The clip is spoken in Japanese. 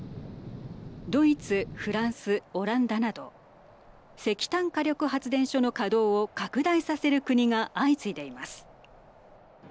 ドイツ、フランス、オランダなど石炭火力発電所の稼働を拡大させる国が相次いでいます。